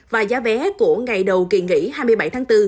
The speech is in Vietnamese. và giá vé của ngày đầu kỳ nghỉ hai mươi bảy tháng bốn